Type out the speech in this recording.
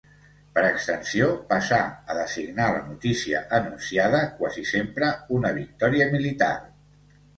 Per extensió passà a designar la notícia anunciada, quasi sempre una victòria militar.